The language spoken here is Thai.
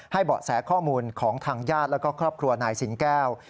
เบาะแสข้อมูลของทางญาติแล้วก็ครอบครัวนายสิงแก้ว